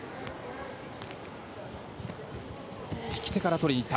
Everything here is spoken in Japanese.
利き手から取りに行った。